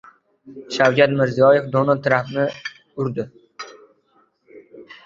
Shavkat Mirziyoyev Donald Trampni tabrikladi